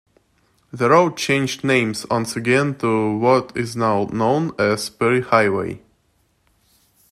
The road changed names once again to what is now known as Perry Highway.